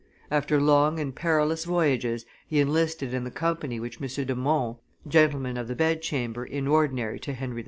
After long and perilous voyages, he enlisted in the company which M. de Monts, gentleman of the bed chamber in ordinary to Henry IV.